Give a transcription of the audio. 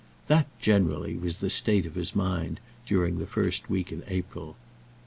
That, generally, was the state of his mind during the first week in April.